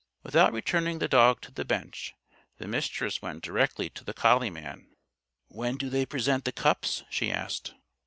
Without returning the dog to the bench, the Mistress went directly to the collie man. "When do they present the cups?" she asked.